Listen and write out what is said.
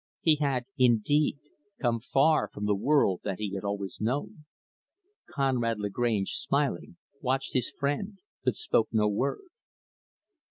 He had, indeed, come far from the world that he had always known. Conrad Lagrange, smiling, watched his friend, but spoke no word.